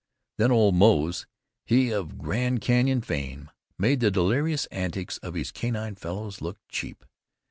Then old Moze, he of Grand Canyon fame, made the delirious antics of his canine fellows look cheap.